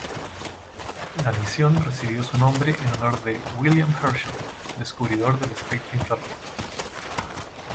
La misión recibió su nombre en honor de William Herschel, descubridor del espectro infrarrojo.